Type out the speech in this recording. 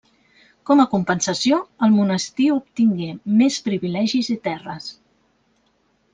Com a compensació, el monestir obtingué més privilegis i terres.